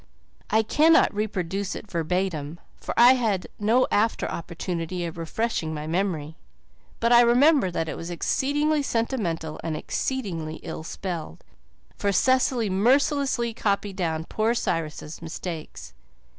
I cannot reproduce it verbatim, for I had no after opportunity of refreshing my memory. But I remember that it was exceedingly sentimental and exceedingly ill spelled for Cecily mercilessly copied down poor Cyrus' mistakes.